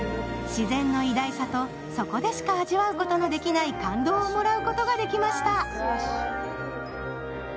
自然の偉大さとそこでしか味わうことのできない感動をもらうことができました。